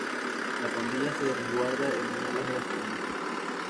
La pandilla se resguarda en una vieja gasolinera.